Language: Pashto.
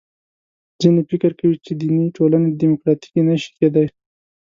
ځینې فکر کوي چې دیني ټولنې دیموکراتیکې نه شي کېدای.